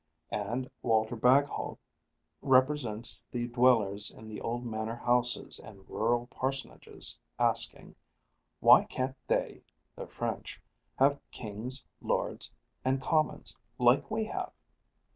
And Walter Bagehot represents the dwellers in old manor houses and in rural parsonages asking, "Why can't they [the French] have Kings, Lords, and Commons, like we have?"